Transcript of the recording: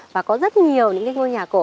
và có rất nhiều ngôi nhà cổ